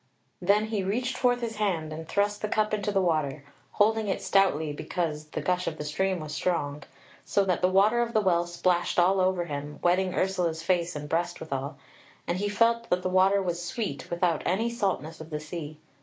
Then he reached forth his hand and thrust the cup into the water, holding it stoutly because the gush of the stream was strong, so that the water of the Well splashed all over him, wetting Ursula's face and breast withal: and he felt that the water was sweet without any saltness of the sea.